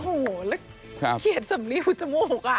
โอ้โหแล้วเกลียดจำนี่ผู้จมูกอ่ะ